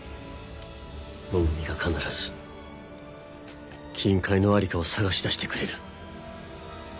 百美が必ず金塊の在りかを探し出してくれる。